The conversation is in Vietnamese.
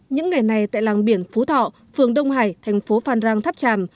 những ngày này tại làng biển phú thọ phường đông hải thành phố phan rang tháp tràm